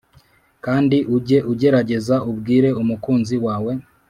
kandi ujye ugerageza ubwire umukunzi wawe